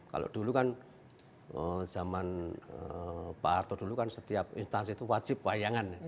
kalau dulu kan zaman pak harto dulu kan setiap instansi itu wajib wayangan